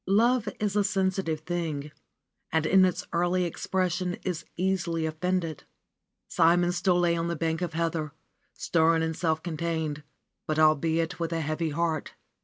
Love is a sensitive thing and in its early expression is easily offended. Simon still lay on the bank of heather, stern and self contained, but albeit with a heavy heart.